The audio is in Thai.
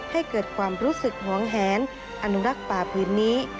ให้เกิดความรู้สึกหวงแหนอนุรักษ์ป่าพื้นนี้